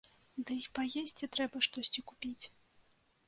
Дый паесці трэба штосьці купіць.